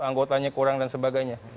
anggotanya kurang dan sebagainya